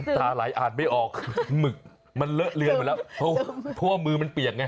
ตาไหลอ่านไม่ออกหมึกมันเลอะเลือนหมดแล้วเพราะว่ามือมันเปียกไง